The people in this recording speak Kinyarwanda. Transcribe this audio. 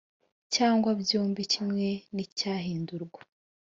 cyangwa byombi kimwe n icyahindurwa